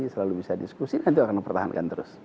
selalu bisa diskusi nanti akan mempertahankan terus